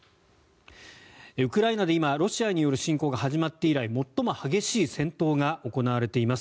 ウクライナで今ロシアによる侵攻が始まって以来最も激しい戦闘が行われています。